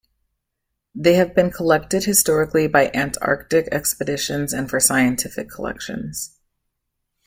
They have been collected historically by Antarctic expeditions and for scientific collections.